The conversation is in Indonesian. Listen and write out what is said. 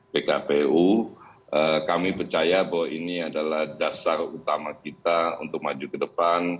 pkpu kami percaya bahwa ini adalah dasar utama kita untuk maju ke depan